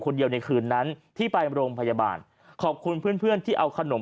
คนเดียวในคืนนั้นที่ไปโรงพยาบาลขอบคุณเพื่อนที่เอาขนม